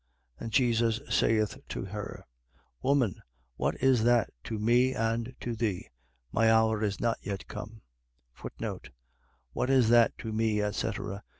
2:4. And Jesus saith to her: Woman, what is that to me and to thee? My hour is not yet come. What is that to me, etc. ..